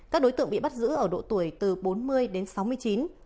các đối tượng bị bắt giữ ở độ tuổi từ bốn mươi đến sáu mươi chín